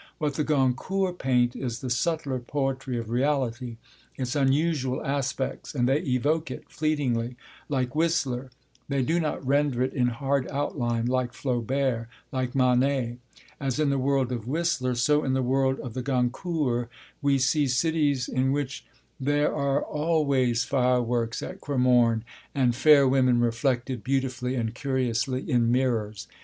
What the Goncourts paint is the subtler poetry of reality, its unusual aspects, and they evoke it, fleetingly, like Whistler; they do not render it in hard outline, like Flaubert, like Manet. As in the world of Whistler, so in the world of the Goncourts, we see cities in which there are always fireworks at Cremorne, and fair women reflected beautifully and curiously in mirrors.